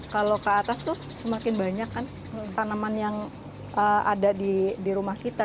kalau ke atas tuh semakin banyak kan tanaman yang ada di rumah kita